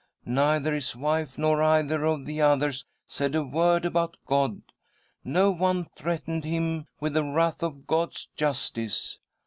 Neither his wife nor either of the others said a word about God ; no one threatened him with the wrath of God's justice.